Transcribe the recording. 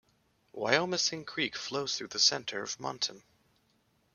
Wyomissing Creek flows through the center of Mohnton.